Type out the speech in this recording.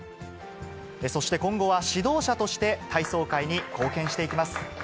そして今後は指導者として体操界に貢献していきます。